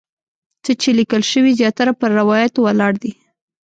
څه چې لیکل شوي زیاتره پر روایاتو ولاړ دي.